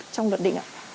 trong luật định ạ